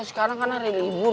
sekarang kan hari libur